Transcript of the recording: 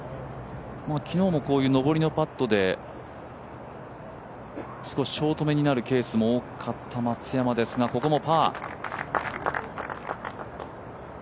昨日もこういう上りのパットで少しショートめになるショットも多かった松山ですが、ここもパー。